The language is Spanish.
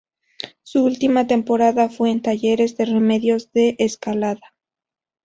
Su última temporada fue en Talleres de Remedios de Escalada.